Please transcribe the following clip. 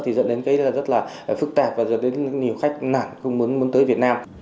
thì dẫn đến cái rất là phức tạp và dẫn đến nhiều khách nản không muốn muốn tới việt nam